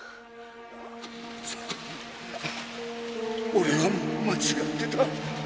俺は間違ってた。